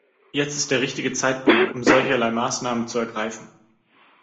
Jetzt ist der richtige Zeitpunkt, um solcherlei Maßnahmen zu ergreifen.